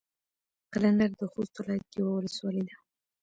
قلندر د خوست ولايت يوه ولسوالي ده.